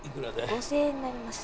５，０００円になります。